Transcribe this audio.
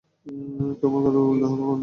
তোমায় কতবার বলতে হবে, বার্নার্ডো?